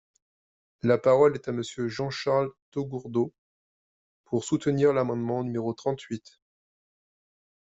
La parole est à Monsieur Jean-Charles Taugourdeau, pour soutenir l’amendement numéro trente-huit.